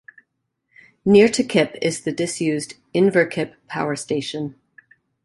Near to Kip is the disused Inverkip Power Station.